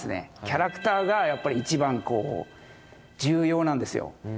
キャラクターがやっぱり一番こう重要なんですよ。